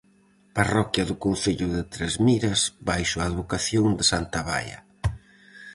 Parroquia do concello de Trasmiras baixo a advocación de santa Baia.